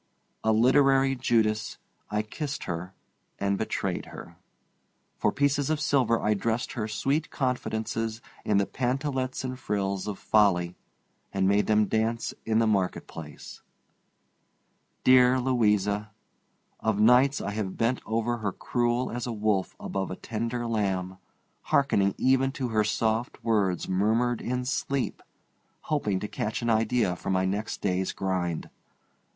A literary Judas, I kissed her and betrayed her. For pieces of silver I dressed her sweet confidences in the pantalettes and frills of folly and made them dance in the market place. Dear Louisa! Of nights I have bent over her cruel as a wolf above a tender lamb, hearkening even to her soft words murmured in sleep, hoping to catch an idea for my next day's grind.